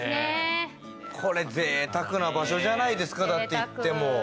これ、ぜいたくな場所じゃないですか、言っても。